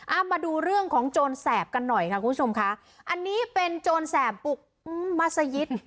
เอามาดูเรื่องของโจรแสบกันหน่อยค่ะคุณผู้ชมค่ะอันนี้เป็นโจรแสบปลุกมัศยิต